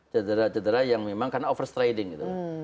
jadrah jadrah yang memang karena over striding gitu